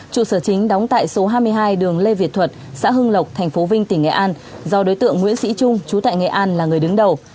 trụ sở chính đóng tại số hai mươi hai đường lê việt thuật xã hưng lộc tp vinh tỉnh nghệ an do đối tượng nguyễn sĩ trung chú tại nghệ an là người đứng đầu